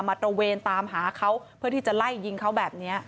ตระเวนตามหาเขาเพื่อที่จะไล่ยิงเขาแบบนี้